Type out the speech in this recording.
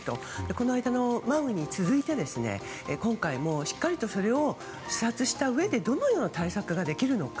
この間のマウイに続いて今回もしっかりと視察したうえでどのような対策ができるのか。